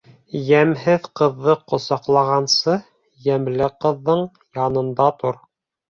Йәмһеҙ ҡыҙҙы ҡосаҡлағансы, йәмле ҡыҙҙың янында тор.